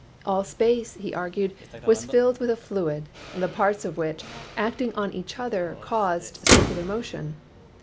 All space, he argued, was filled with a fluid, the parts of which, acting on each other, caused circular motion.